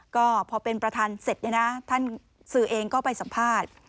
ก็พอเป็นประธานเสร็จเนี่ยนะท่านสื่อเองก็ไปสัมภาษณ์